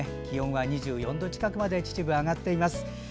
気温は２４度近くまで秩父は上がっています。